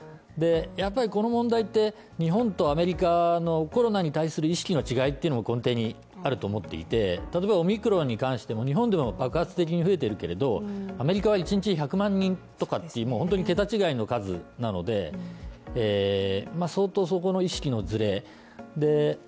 やっぱりこの問題って、日本とアメリカ、コロナに対する意識の違いっていうのを根底にあると思っていて、例えばオミクロンに関しても日本でも爆発的に増えているけれど、アメリカは１日１００万人とかっていうもう本当に桁違いの数なので相当そこの意識のずれです